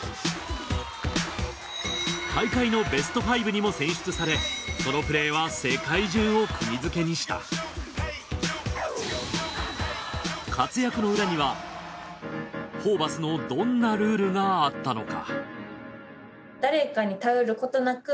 大会のベスト５にも選出されそのプレーは世界中を釘付けにした活躍の裏にはホーバスのどんなルールがあったのか？